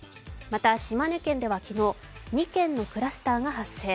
また島根県では昨日、２件のクラスターが発生。